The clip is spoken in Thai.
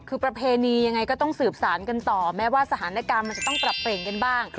คือประเพณียังไงก็ต้องสืบสารกันต่อแม้ว่าสถานการณ์มันจะต้องปรับเปลี่ยนกันบ้าง